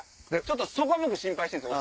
そこ僕心配してるんですよ。